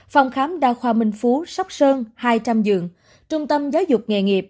phòng khám đa khoa minh phú sóc sơn hai trăm linh dường trung tâm giáo dục nghệ nghiệp